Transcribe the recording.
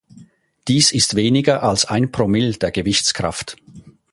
Dies ist weniger als ein Promille der Gewichtskraft.